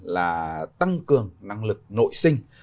là tăng cường năng lực nội sinh